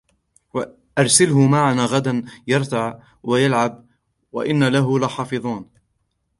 أرسله معنا غدا يرتع ويلعب وإنا له لحافظون